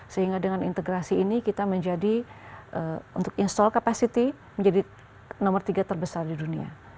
sehingga dengan integrasi ini kita menjadi untuk install capacity menjadi nomor tiga terbesar di dunia